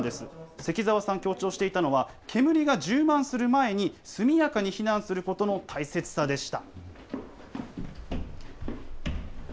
関澤さん、強調していたのは煙が充満する前に速やかに避難することの大切さでした。